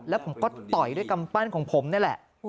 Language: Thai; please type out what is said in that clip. แล้วผมก็ต่อยด้วยกำปั้นของผมนี่แหละ